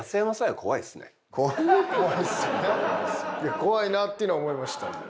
怖いですよね怖いなっていうのは思いました。